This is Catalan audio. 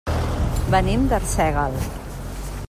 Venim d'Arsèguel.